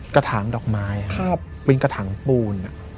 กระถางดอกไม้เป็นกระถางปูน